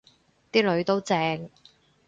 啲囡都正